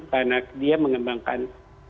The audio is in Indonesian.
karena dia mengembangkan